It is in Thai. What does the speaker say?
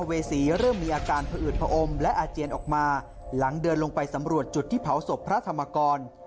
จุดนี้ลูกศิษย์ได้นำร่างของพระอมและอาเจียนออกมาหลังเดินลงไปสำรวจจุดที่เผาศพพระธรรมกร